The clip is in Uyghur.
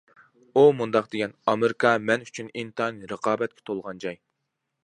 ئۇ مۇنداق دېگەن: ئامېرىكا مەن ئۈچۈن ئىنتايىن رىقابەتكە تولغان جاي.